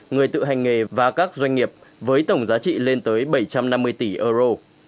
người tự hành nghề và các doanh nghiệp với tổng giá trị lên tới bảy trăm năm mươi tỷ euro